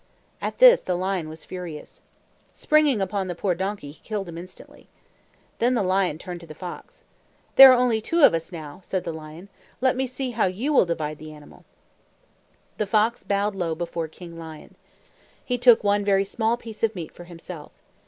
At this the lion was furious. Springing upon the poor donkey, he killed him instantly. Then the lion turned to the fox. "There are only two of us now," said the lion. "Let me see how you will divide the animal." The fox bowed low before King Lion. He took one very small piece of meat for himself.